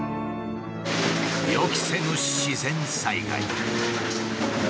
予期せぬ自然災害。